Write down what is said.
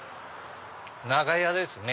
長屋ですね。